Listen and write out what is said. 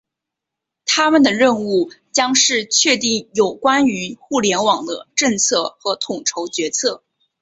他们的任务将是确定有关于互联网的政策和统筹决策。